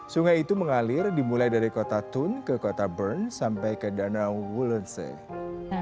sungai itu mengalir dimulai dari kota thun ke kota bern sampai ke danau wolense